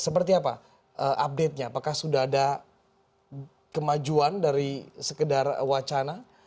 seperti apa update nya apakah sudah ada kemajuan dari sekedar wacana